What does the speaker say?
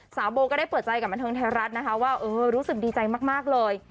โบก็ได้เปิดใจกับบันเทิงไทยรัฐนะคะว่าเออรู้สึกดีใจมากเลย